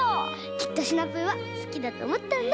きっとシナプーはすきだとおもったんだ。